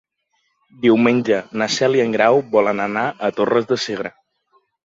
Diumenge na Cel i en Grau volen anar a Torres de Segre.